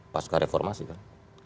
pasca reformasi kan